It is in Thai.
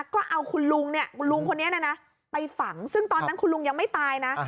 ก็เอาคุณลุงเนี่ยคุณลุงคนนี้ไปฝังซึ่งตอนนั้นคุณลุงยังไม่ตายนะ